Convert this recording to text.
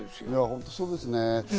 本当そうですね。